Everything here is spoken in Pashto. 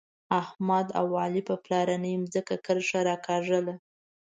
احمد او علي په پلارنۍ ځمکه کرښه راکاږله.